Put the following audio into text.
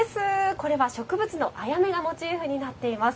これは植物のあやめがモチーフになっています。